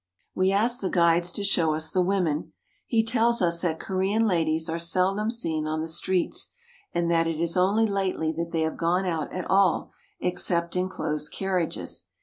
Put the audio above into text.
We ask the guides to show us the women. He tells us that Korean ladies are seldom seen on the streets, and that it is only lately that they have gone out at all except in closed carriages.